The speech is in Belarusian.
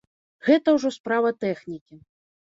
Гэта ўжо справа тэхнікі.